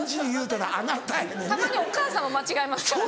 たまにお母さんも間違えますから。